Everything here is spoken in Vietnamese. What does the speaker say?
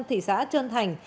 thị xã trân thành